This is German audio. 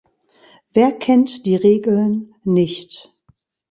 Wer kennt die Regeln nicht?